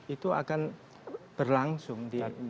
itu akan berlangsung